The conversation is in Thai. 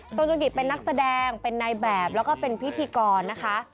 จุกิตเป็นนักแสดงเป็นนายแบบแล้วก็เป็นพิธีกรนะคะ